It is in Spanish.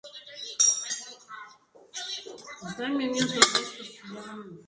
Paulo empleó parte de este dinero para reconstruir la Basílica Emilia.